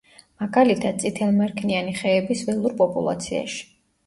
მაგალითად, წითელმერქნიანი ხეების ველურ პოპულაციაში.